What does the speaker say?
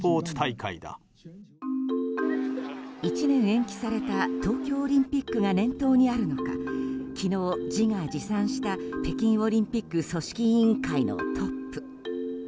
１年延期された東京オリンピックが念頭にあるのか昨日、自画自賛した北京オリンピック組織委員会のトップ。